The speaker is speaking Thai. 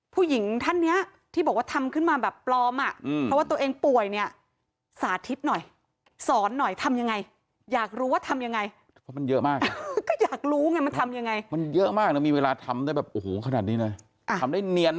ผู้หญิงท่านนะที่บอกว่าทำก็มาแบบปลอมอะเพราะตัวเองป่วย